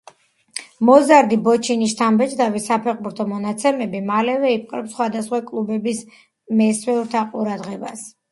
მოზარდი ბოჩინის შთამბეჭდავი საფეხბურთო მონაცემები მალევე იპყრობს სხვადასხვა კლუბების მესვეურთა ყურადღებას.